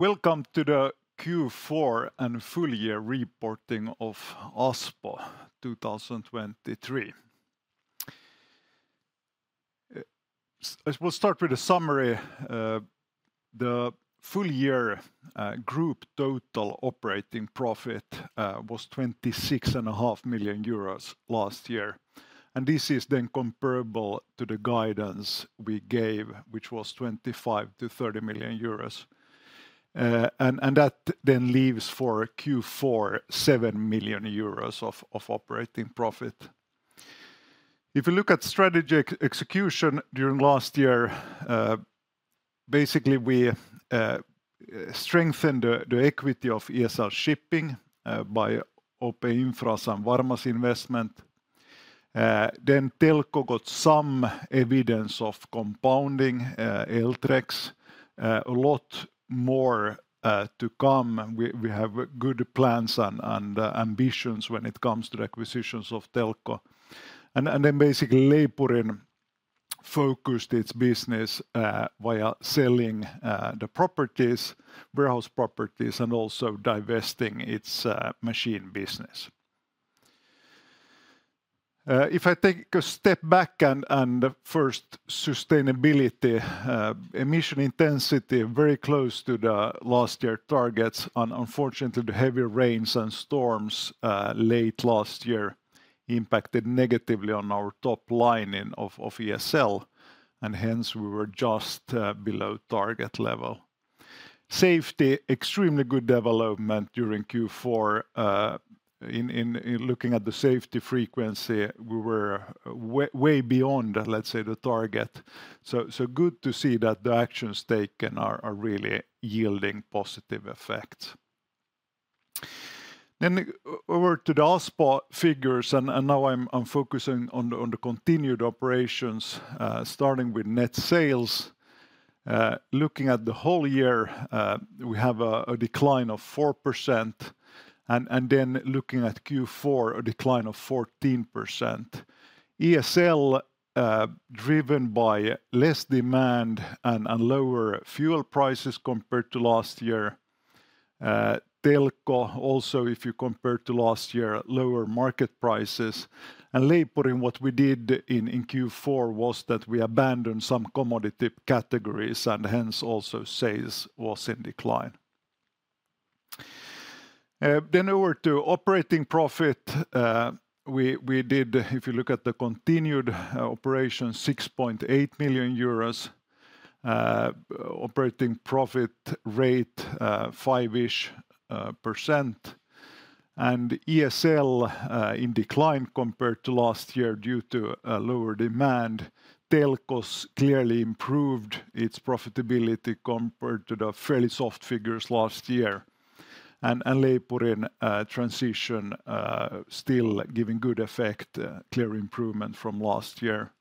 Welcome to the Q4 and full year reporting of Aspo 2023. We'll start with a summary. The full year group total operating profit was 26.5 million euros last year, and this is then comparable to the guidance we gave, which was 25 million-30 million euros. And that then leaves for Q4, 7 million euros of operating profit. If you look at strategy execution during last year, basically we strengthened the equity of ESL Shipping by OP Finland Infrastructure and Varma's investment. Then Telko got some evidence of compounding Eltrex. A lot more to come, and we have good plans and ambitions when it comes to acquisitions of Telko. Then basically, Leipurin focused its business via selling the properties, warehouse properties, and also divesting its machine business. If I take a step back and first, sustainability, emission intensity, very close to the last year targets, and unfortunately, the heavy rains and storms late last year impacted negatively on our top line in ESL, and hence, we were just below target level. Safety, extremely good development during Q4. In looking at the safety frequency, we were way beyond, let's say, the target. So good to see that the actions taken are really yielding positive effects. Then over to the Aspo figures, and now I'm focusing on the continued operations, starting with net sales. Looking at the whole year, we have a decline of 4%, and then looking at Q4, a decline of 14%. ESL, driven by less demand and lower fuel prices compared to last year. Telko also, if you compare to last year, lower market prices. And Leipurin, what we did in Q4 was that we abandoned some commodity categories, and hence, sales was in decline. Then over to operating profit, we did, if you look at the continued operations, 6.8 million euros. Operating profit rate, 5-ish %. And ESL, in decline compared to last year due to lower demand. Telko's clearly improved its profitability compared to the fairly soft figures last year. And Leipurin, transition still giving good effect, a clear improvement from last year.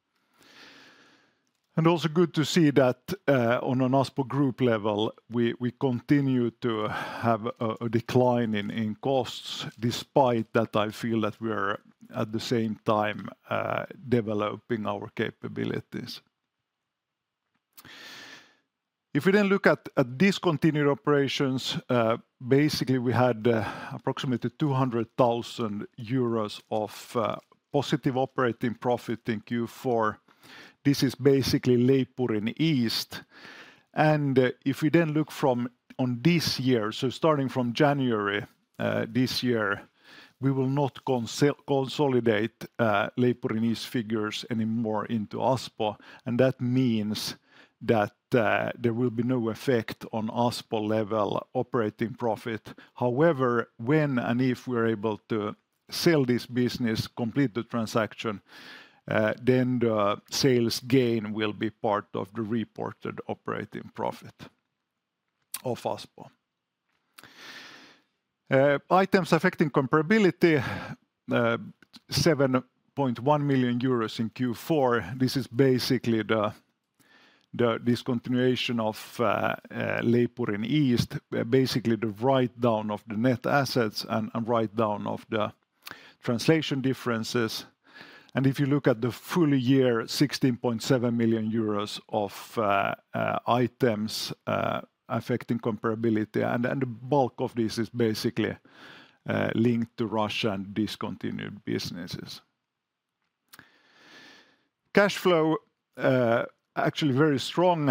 Also good to see that, on an Aspo group level, we continue to have a decline in costs, despite that I feel that we're, at the same time, developing our capabilities. If we then look at discontinued operations, basically, we had approximately 200,000 euros of positive operating profit in Q4. This is basically Leipurin East. And if we then look on this year, so starting from January, this year, we will not consolidate Leipurin East figures anymore into Aspo, and that means that there will be no effect on Aspo level operating profit. However, when and if we're able to sell this business, complete the transaction, then the sales gain will be part of the reported operating profit of Aspo. Items affecting comparability, 7.1 million euros in Q4. This is basically the discontinuation of Leipurin East, basically the write-down of the net assets and write-down of the translation differences. And if you look at the full year, 16.7 million euros of items affecting comparability, and the bulk of this is basically linked to Russia and discontinued businesses. Cash flow actually very strong,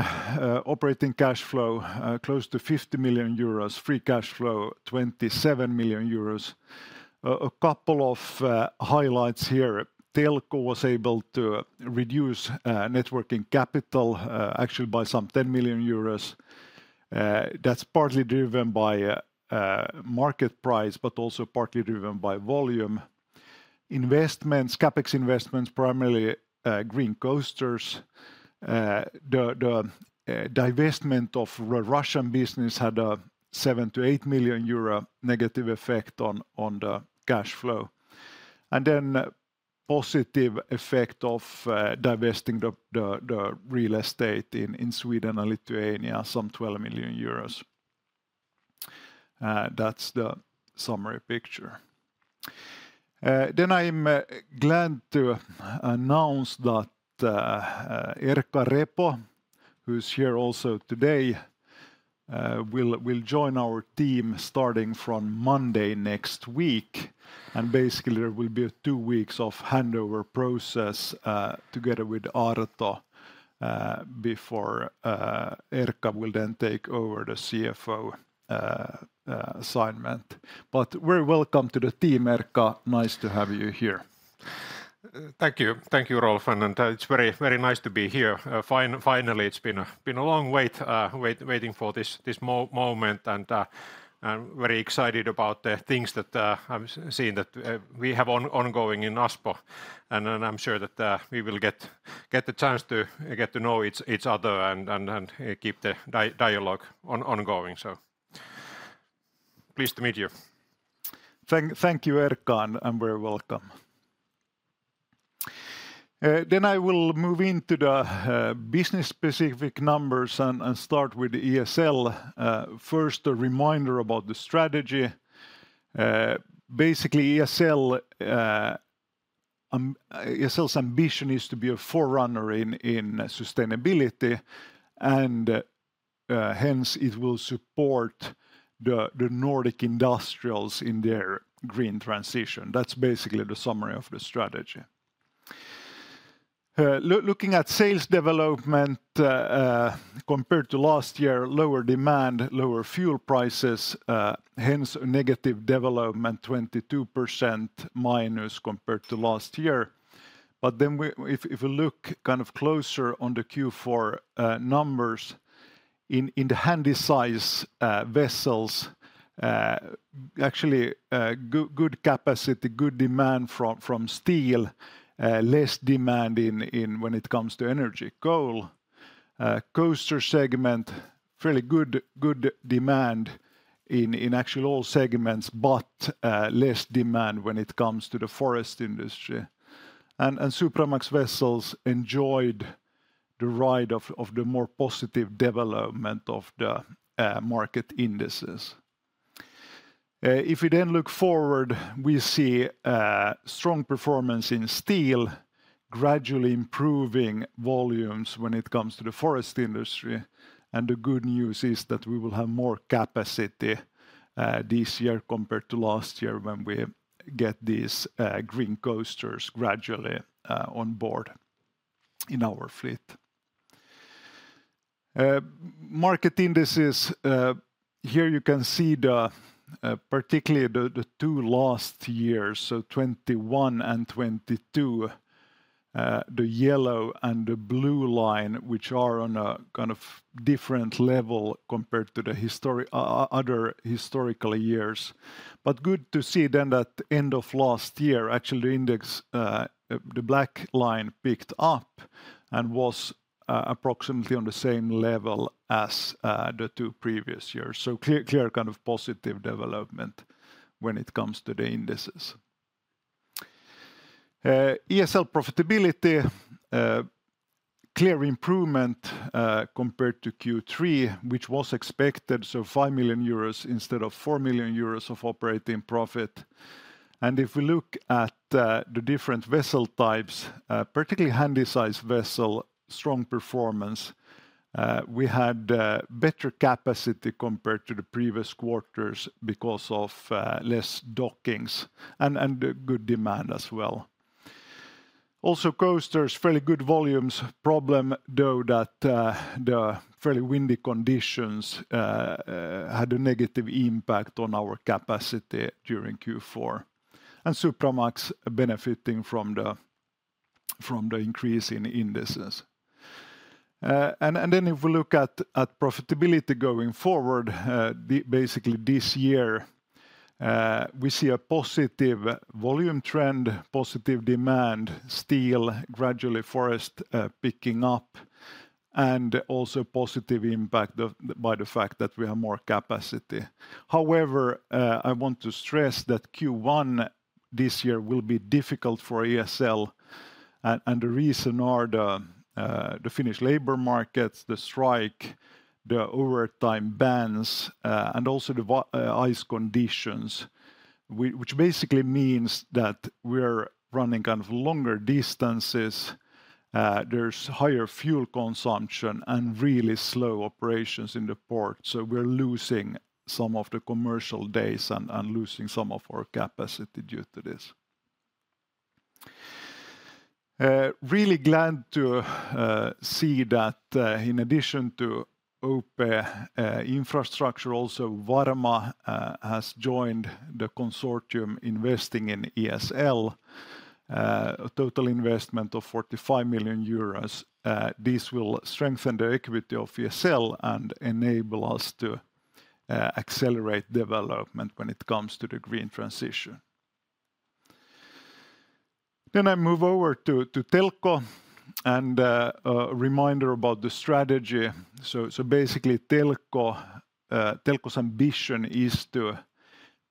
operating cash flow close to 50 million euros. Free cash flow, 27 million euros. A couple of highlights here. Telko was able to reduce net working capital actually by some 10 million euros. That's partly driven by market price, but also partly driven by volume. Investments, CapEx investments, primarily Green Coasters. The divestment of Russian business had a 7-8 million euro negative effect on the cash flow. Then positive effect of divesting the real estate in Sweden and Lithuania, 12 million euros. That's the summary picture. Then I am glad to announce that Erkka Repo, who's here also today, will join our team starting from Monday next week. And basically, there will be two weeks of handover process together with Arto before Erkka will then take over the CFO assignment. But very welcome to the team, Erkka. Nice to have you here. Thank you. Thank you, Rolf, and it's very, very nice to be here, finally. It's been a long wait, waiting for this moment, and I'm very excited about the things that I've seen that we have ongoing in Aspo. And then I'm sure that we will get the chance to get to know each other and keep the dialogue ongoing, so pleased to meet you. Thank you, Erkka, and very welcome. Then I will move into the business-specific numbers and start with ESL. First, a reminder about the strategy. Basically, ESL's ambition is to be a forerunner in sustainability, and hence, it will support the Nordic industrials in their green transition. That's basically the summary of the strategy. Looking at sales development, compared to last year, lower demand, lower fuel prices, hence, negative development, 22% minus compared to last year. But then, if we look kind of closer on the Q4 numbers, in the Handy-size vessels, actually, good capacity, good demand from steel, less demand when it comes to energy coal. Coaster segment, fairly good, good demand in actual all segments, but less demand when it comes to the forest industry. Supramax vessels enjoyed the ride of the more positive development of the market indices. If we then look forward, we see strong performance in steel, gradually improving volumes when it comes to the forest industry, and the good news is that we will have more capacity this year compared to last year, when we get these Green Coasters gradually on board in our fleet. Market indices, here you can see the particularly the two last years, so 2021 and 2022, the yellow and the blue line, which are on a kind of different level compared to the other historical years. But good to see then that end of last year, actually, the index, the black line picked up and was, approximately on the same level as, the two previous years. So clear, clear kind of positive development when it comes to the indices. ESL profitability, clear improvement, compared to Q3, which was expected, so 5 million euros instead of 4 million euros of operating profit. And if we look at, the different vessel types, particularly handy-size vessel, strong performance, we had, better capacity compared to the previous quarters because of, less dockings and, and a good demand as well. Also, coasters, fairly good volumes. Problem, though, that, the fairly windy conditions, had a negative impact on our capacity during Q4, and Supramax benefiting from the, from the increase in indices. And then if we look at profitability going forward, basically this year we see a positive volume trend, positive demand, steel gradually forest picking up, and also positive impact by the fact that we have more capacity. However, I want to stress that Q1 this year will be difficult for ESL, and the reason are the Finnish labor markets, the strike, the overtime bans, and also the ice conditions, which basically means that we're running kind of longer distances, there's higher fuel consumption, and really slow operations in the port, so we're losing some of the commercial days and losing some of our capacity due to this. Really glad to see that, in addition to OP Infrastructure, also Varma has joined the consortium investing in ESL, a total investment of 45 million euros. This will strengthen the equity of ESL and enable us to accelerate development when it comes to the green transition. Then I move over to Telko, and a reminder about the strategy. So basically, Telko's ambition is to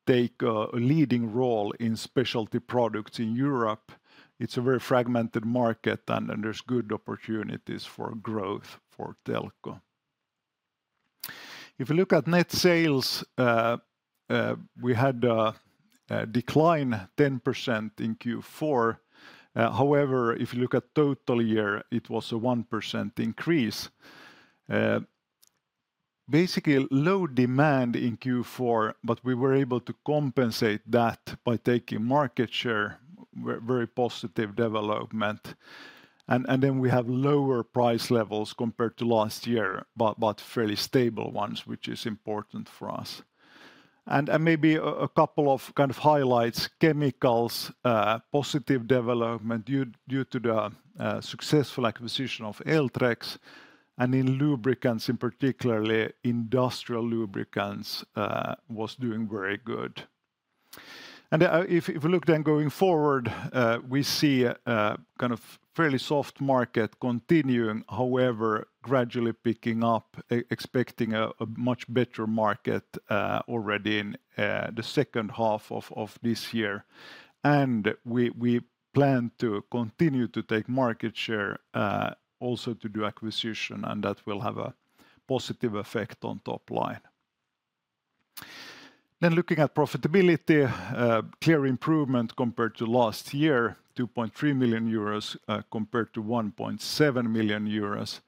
take a leading role in specialty products in Europe. It's a very fragmented market, and there's good opportunities for growth for Telko. If you look at net sales, we had a decline 10% in Q4. However, if you look at total year, it was a 1% increase. Basically, low demand in Q4, but we were able to compensate that by taking market share. Very, very positive development. And, and then we have lower price levels compared to last year, but, but fairly stable ones, which is important for us. And, and maybe a, a couple of kind of highlights: Chemicals, positive development due, due to the, successful acquisition of Eltrex. And in lubricants, in particularly industrial lubricants, was doing very good. And, if, if we look then going forward, we see a, kind of, fairly soft market continuing. However, gradually picking up, expecting a, a much better market, already in, the second half of, of this year. And we, we plan to continue to take market share, also to do acquisition, and that will have a positive effect on top line. Then looking at profitability, clear improvement compared to last year: 2.3 million euros, compared to 1.7 million euros.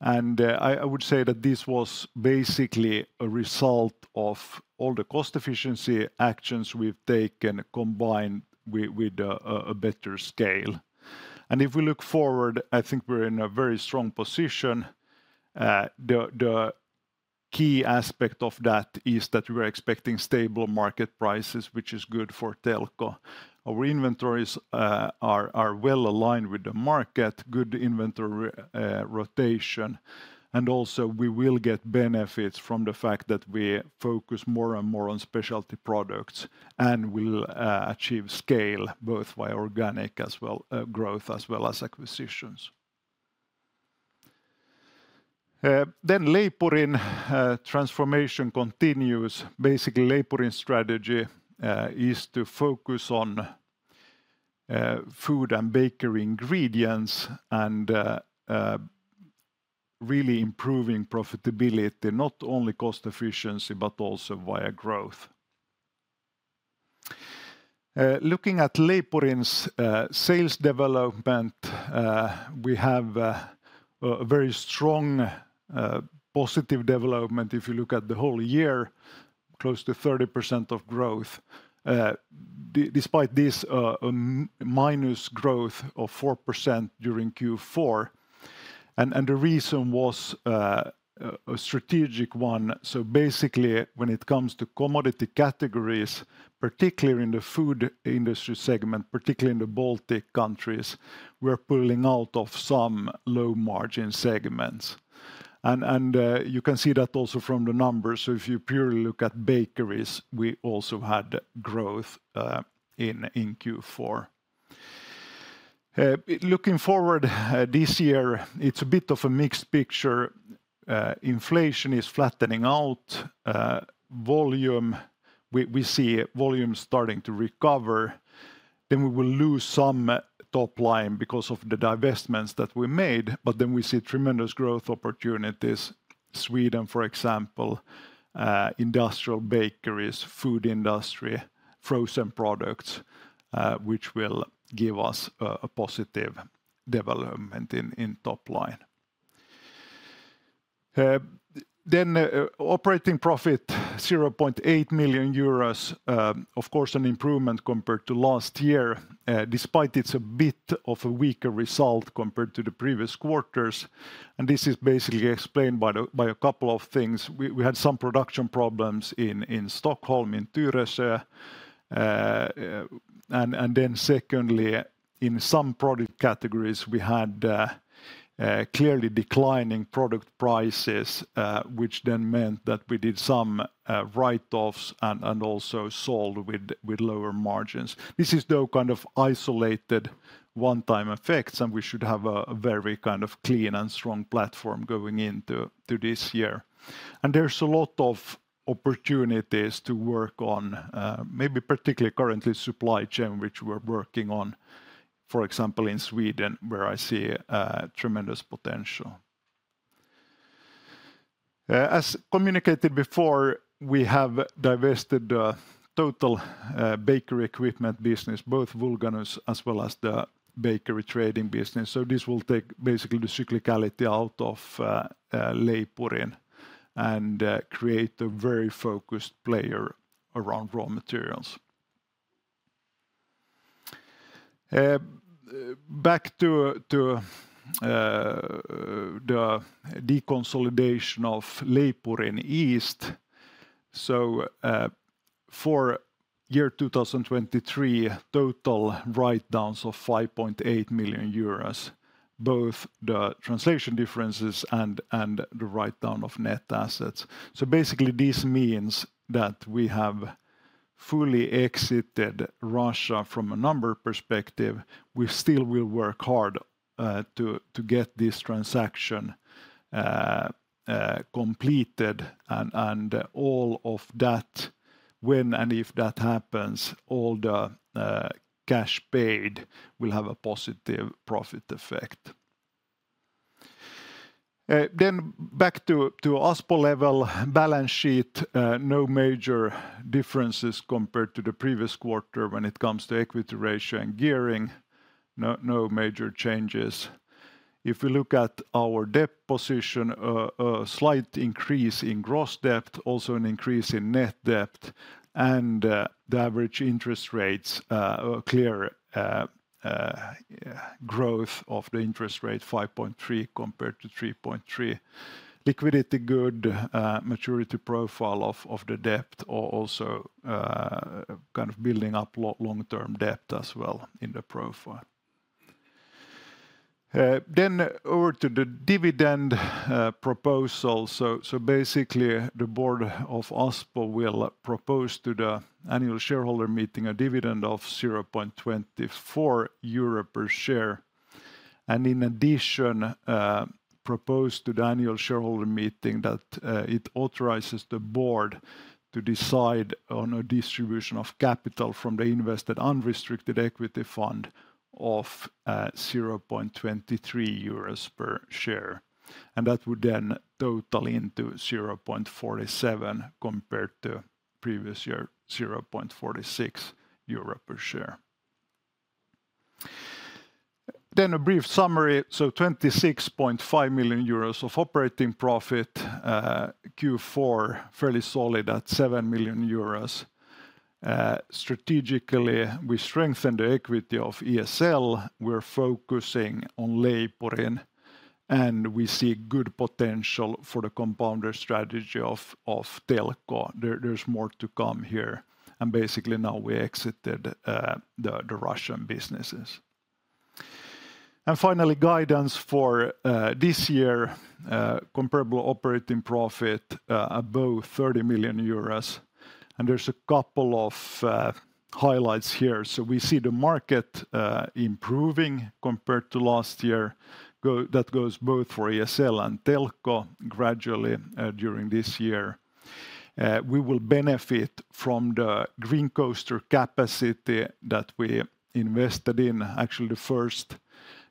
I would say that this was basically a result of all the cost efficiency actions we've taken, combined with a better scale. If we look forward, I think we're in a very strong position. The key aspect of that is that we're expecting stable market prices, which is good for Telko. Our inventories are well aligned with the market, good inventory rotation, and also we will get benefits from the fact that we focus more and more on specialty products and will achieve scale, both via organic as well as growth, as well as acquisitions. Leipurin's transformation continues. Basically, Leipurin's strategy is to focus on food and bakery ingredients and really improving profitability, not only cost efficiency, but also via growth. Looking at Leipurin's sales development, we have a very strong positive development. If you look at the whole year, close to 30% of growth, despite this minus growth of 4% during Q4. And the reason was a strategic one. So basically, when it comes to commodity categories, particularly in the food industry segment, particularly in the Baltic countries, we're pulling out of some low-margin segments. And you can see that also from the numbers. So if you purely look at bakeries, we also had growth in Q4. Looking forward, this year, it's a bit of a mixed picture. Inflation is flattening out. Volume—we see volume starting to recover. Then we will lose some top line because of the divestments that we made, but then we see tremendous growth opportunities. Sweden, for example, industrial bakeries, food industry, frozen products, which will give us a positive development in top line. Then operating profit, 0.8 million euros. Of course, an improvement compared to last year, despite it's a bit of a weaker result compared to the previous quarters, and this is basically explained by a couple of things. We had some production problems in Stockholm, in Tyresö. And then secondly, in some product categories, we had clearly declining product prices, which then meant that we did some write-offs and also sold with lower margins. This is, though, kind of isolated one-time effects, and we should have a very kind of clean and strong platform going into this year. There's a lot of opportunities to work on, maybe particularly currently supply chain, which we're working on, for example, in Sweden, where I see tremendous potential. As communicated before, we have divested the total bakery equipment business, both Vulganus as well as the bakery trading business. So this will take basically the cyclicality out of Leipurin and create a very focused player around raw materials. Back to the deconsolidation of Leipurin East. So, for year 2023, total write-downs of 5.8 million euros, both the translation differences and the write-down of net assets. So basically, this means that we have fully exited Russia from a number perspective. We still will work hard to get this transaction completed, and all of that when and if that happens, all the cash paid will have a positive profit effect. Then back to Aspo level balance sheet. No major differences compared to the previous quarter when it comes to equity ratio and gearing. No major changes. If we look at our debt position, slight increase in gross debt, also an increase in net debt and the average interest rates, clear growth of the interest rate 5.3% compared to 3.3%. Liquidity good, maturity profile of the debt also kind of building up long-term debt as well in the profile. Then over to the dividend proposal. So basically, the board of Aspo will propose to the annual shareholder meeting a dividend of 0.24 euro per share. And in addition, propose to the annual shareholder meeting that it authorizes the board to decide on a distribution of capital from the invested unrestricted equity fund of 0.23 euros per share, and that would then total into 0.47 compared to previous year's 0.46 euro per share. Then a brief summary: so 26.5 million euros of operating profit. Q4, fairly solid at 7 million euros. Strategically, we strengthened the equity of ESL. We're focusing on Leipurin, and we see good potential for the compounder strategy of Telko. There, there's more to come here, and basically now we exited the Russian businesses. Finally, guidance for this year, comparable operating profit above 30 million euros, and there's a couple of highlights here. So we see the market improving compared to last year. That goes both for ESL and Telko gradually during this year. We will benefit from the Green Coaster capacity that we invested in. Actually, the first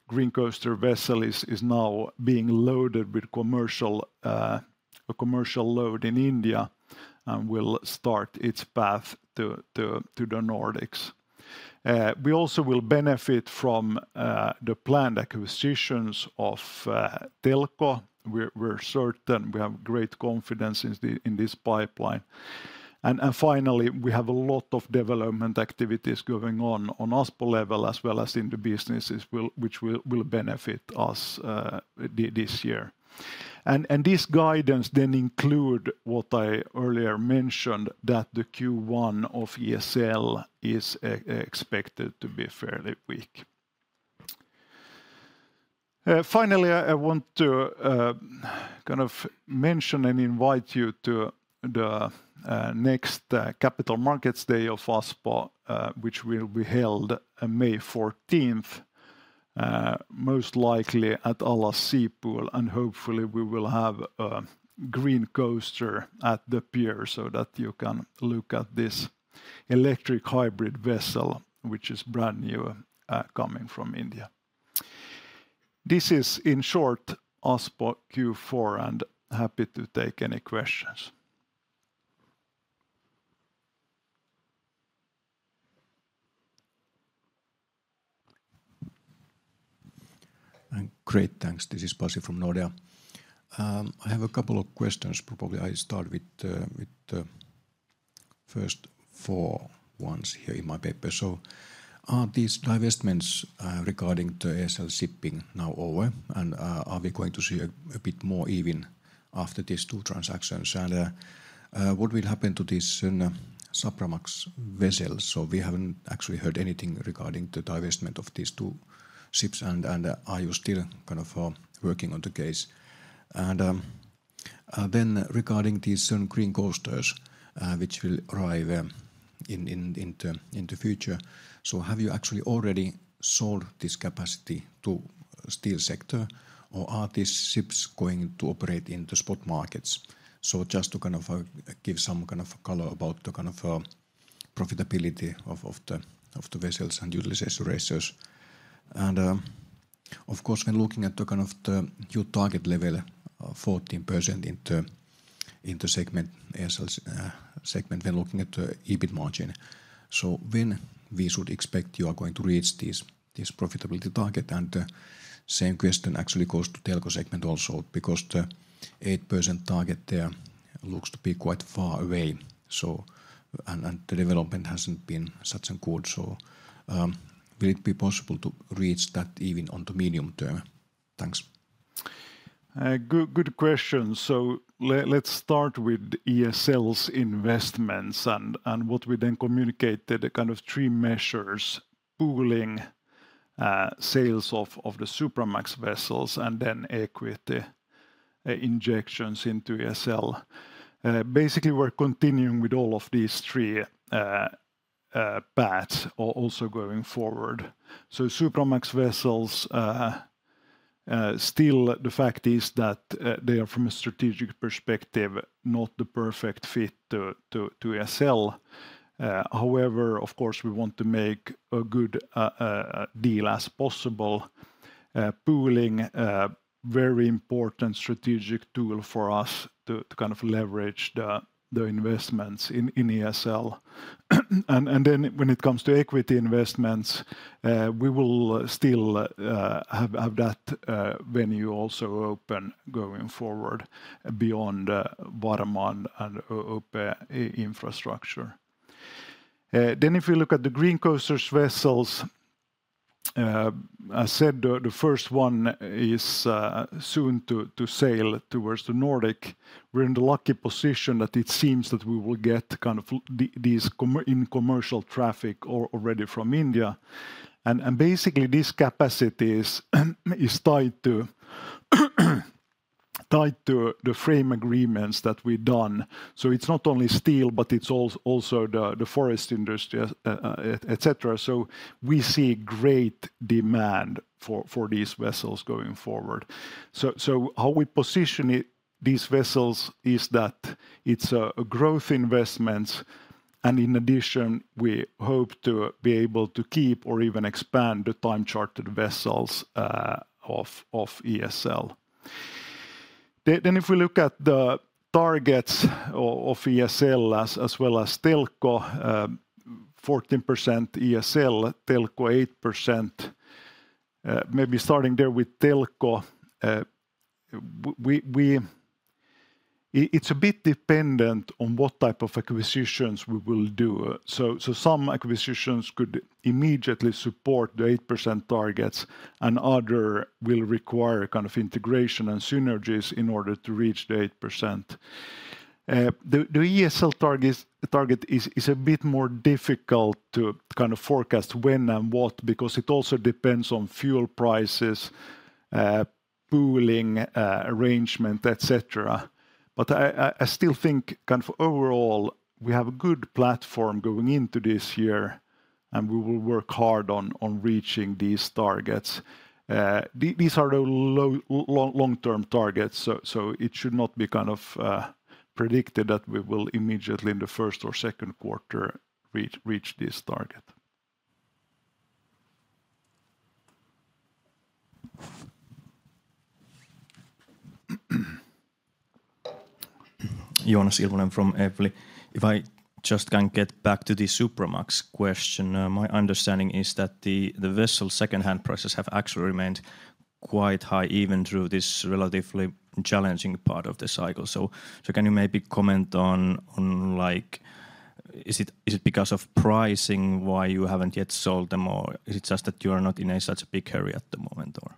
Green C oaster vessel is now being loaded with a commercial load in India and will start its path to the Nordics. We also will benefit from the planned acquisitions of Telko. We're certain we have great confidence in this pipeline. And finally, we have a lot of development activities going on, on Aspo level as well as in the businesses, which will benefit us this year. This guidance then include what I earlier mentioned, that the Q1 of ESL is expected to be fairly weak. Finally, I want to kind of mention and invite you to the next Capital Markets Day of Aspo, which will be held on May 14th, most likely at Allas Sea Pool, and hopefully we will have a Green Coaster at the pier so that you can look at this electric hybrid vessel, which is brand-new, coming from India. This is, in short, Aspo Q4, and happy to take any questions. Great, thanks. This is Pasi from Nordea. I have a couple of questions. Probably I start with the first four ones here in my paper. So are these divestments regarding the ESL Shipping now over, and are we going to see a bit more even after these two transactions? And what will happen to these Supramax vessels? So we haven't actually heard anything regarding the divestment of these two ships, and are you still kind of working on the case? And then regarding these certain Green Coasters, which will arrive in the future, so have you actually already sold this capacity to steel sector, or are these ships going to operate in the spot markets? So just to kind of give some kind of color about the kind of profitability of the vessels and utilization ratios. And, of course, when looking at the kind of your target level, 14% in the segment, ESL's segment, when looking at the EBIT margin, so when we should expect you are going to reach this profitability target? And, same question actually goes to Telko segment also, because the 8% target there looks to be quite far away. So... And the development hasn't been such good. So, will it be possible to reach that even on the medium term? Thanks. Good question. So let's start with ESL's investments and what we then communicated, the kind of three measures: pooling, sales of the Supramax vessels, and then equity injections into ESL. Basically, we're continuing with all of these three paths also going forward. So Supramax vessels, still the fact is that they are from a strategic perspective, not the perfect fit to ESL. However, of course, we want to make a good deal as possible. Pooling, very important strategic tool for us to kind of leverage the investments in ESL. And then when it comes to equity investments, we will still have that venue also open going forward beyond Varma and OP Finland Infrastructure. Then if you look at the Green Coaster vessels, I said the first one is soon to sail towards the Nordic. We're in the lucky position that it seems that we will get kind of the these coming in commercial traffic already from India. And basically these capacities is tied to the frame agreements that we've done. So it's not only steel, but it's also the forest industry, et cetera. So we see great demand for these vessels going forward. So how we position it, these vessels, is that it's a growth investment, and in addition, we hope to be able to keep or even expand the time chartered vessels of ESL. If we look at the targets of ESL as well as Telko, 14% ESL, Telko 8%. Maybe starting there with Telko, we... It's a bit dependent on what type of acquisitions we will do. So, some acquisitions could immediately support the 8% targets, and other will require a kind of integration and synergies in order to reach the 8%. The ESL target is a bit more difficult to kind of forecast when and what, because it also depends on fuel prices, pooling, arrangement, et cetera. But I still think kind of overall, we have a good platform going into this year, and we will work hard on reaching these targets. These are the long-term targets, so it should not be kind of predicted that we will immediately, in the first or second quarter, reach this target. Joonas Ilvonen from Evli. If I just can get back to the Supramax question. My understanding is that the, the vessel second-hand prices have actually remained quite high, even through this relatively challenging part of the cycle. So, so can you maybe comment on, on, like, is it, is it because of pricing, why you haven't yet sold them, or is it just that you are not in a such a big hurry at the moment, or?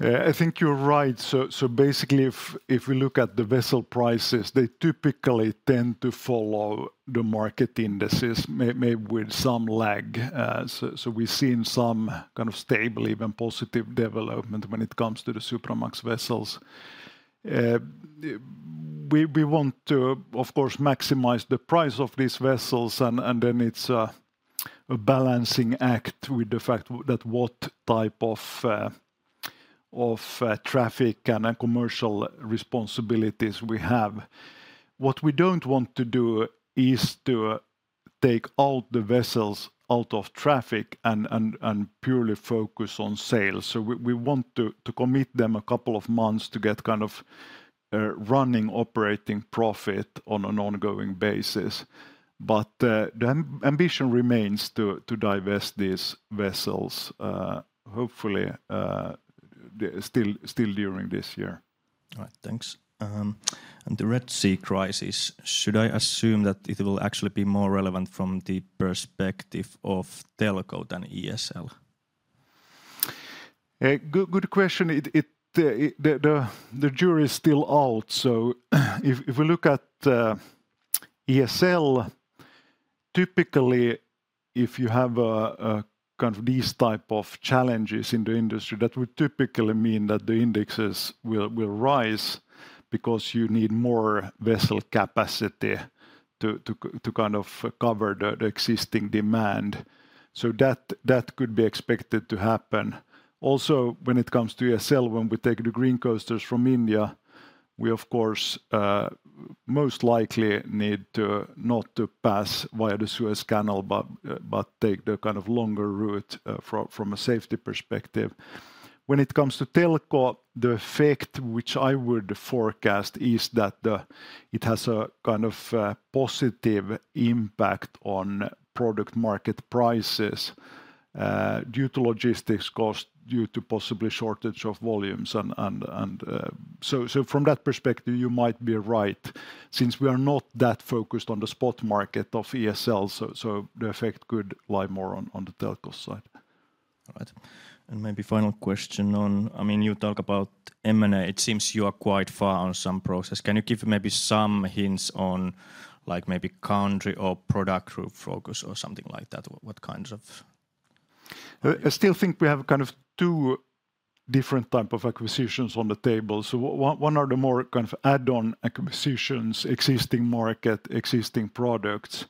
I think you're right. So basically, if we look at the vessel prices, they typically tend to follow the market indices maybe with some lag. So we've seen some kind of stable, even positive development when it comes to the Supramax vessels. We want to, of course, maximize the price of these vessels, and then it's a balancing act with the fact that what type of traffic and then commercial responsibilities we have. What we don't want to do is to take all the vessels out of traffic and purely focus on sales. So we want to commit them a couple of months to get kind of running operating profit on an ongoing basis. But, the ambition remains to divest these vessels, hopefully, still during this year. All right, thanks. And the Red Sea crisis, should I assume that it will actually be more relevant from the perspective of Telko than ESL? Good, good question. The jury is still out. So if we look at ESL, typically, if you have a kind of these type of challenges in the industry, that would typically mean that the indexes will rise because you need more vessel capacity to kind of cover the existing demand, so that could be expected to happen. Also, when it comes to ESL, when we take the Green Coasters from India, we, of course, most likely need to not to pass via the Suez Canal, but take the kind of longer route from a safety perspective. When it comes to Telko, the effect which I would forecast is that the... It has a kind of positive impact on product market prices due to logistics cost, due to possibly shortage of volumes. So from that perspective, you might be right, since we are not that focused on the spot market of ESL, so the effect could lie more on the Telko side. All right. And maybe final question on... I mean, you talk about M&A. It seems you are quite far on some process. Can you give maybe some hints on, like, maybe country or product group focus or something like that? What kinds of- I still think we have kind of two different type of acquisitions on the table. So one are the more kind of add-on acquisitions, existing market, existing products,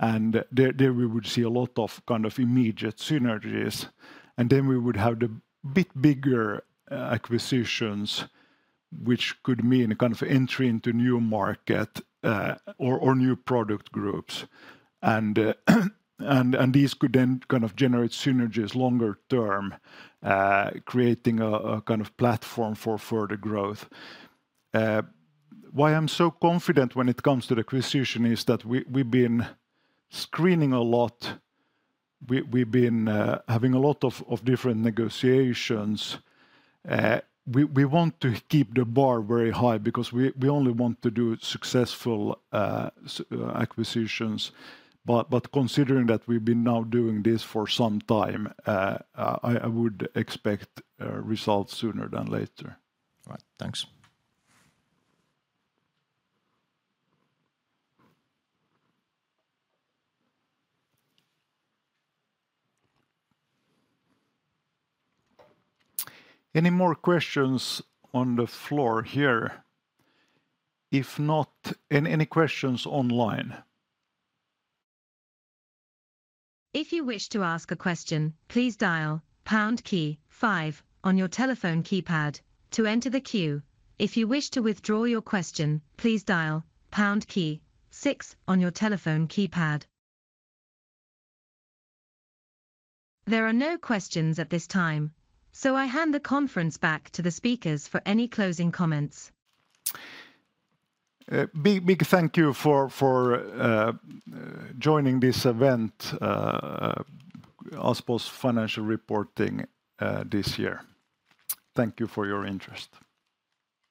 and there we would see a lot of kind of immediate synergies. And then we would have the bit bigger acquisitions, which could mean a kind of entry into new market, or new product groups. And these could then kind of generate synergies longer term, creating a kind of platform for further growth. Why I'm so confident when it comes to the acquisition is that we've been screening a lot. We've been having a lot of different negotiations. We want to keep the bar very high because we only want to do successful acquisitions. But considering that we've been now doing this for some time, I would expect results sooner than later. All right, thanks. Any more questions on the floor here? If not, any, any questions online? If you wish to ask a question, please dial pound key five on your telephone keypad to enter the queue. If you wish to withdraw your question, please dial pound key six on your telephone keypad. There are no questions at this time, so I hand the conference back to the speakers for any closing comments. Big, big thank you for joining this event, Aspo's financial reporting this year. Thank you for your interest.